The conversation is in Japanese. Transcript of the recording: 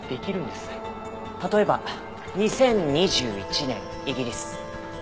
例えば２０２１年イギリス。